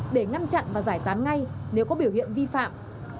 để ngăn chặn và giải tán ngay nếu có biểu hiện vi phạm